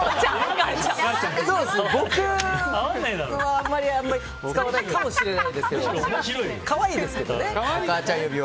僕はあまり使わないかもしれないですけど可愛いですけどね。